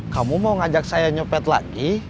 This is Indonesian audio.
kamu mau ngajak saya nyopet lagi